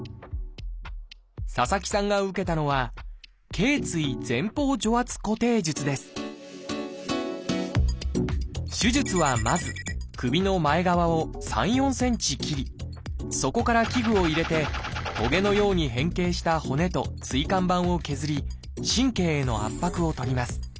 佐々木さんが受けたのは手術はまず首の前側を３４ｃｍ切りそこから器具を入れてトゲのように変形した骨と椎間板を削り神経への圧迫を取ります。